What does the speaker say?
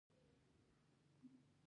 دا په سوریو کې انبارول